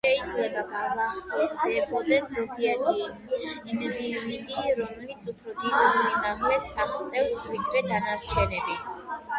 შეიძლება გვხვდებოდეს ზოგიერთი ინდივიდი, რომელიც უფრო დიდ სიმაღლეს აღწევს, ვიდრე დანარჩენები.